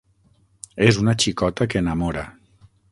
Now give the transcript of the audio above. És una xicota que enamora!